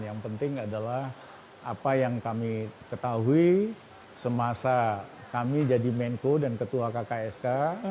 yang penting adalah apa yang kami ketahui semasa kami jadi menko dan ketua kksk